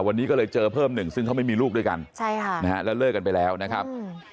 วันนี้ก็เลยเจอเพิ่มหนึ่งซึ่งเขาไม่มีลูกด้วยกันใช่ค่ะนะฮะแล้วเลิกกันไปแล้วนะครับอืม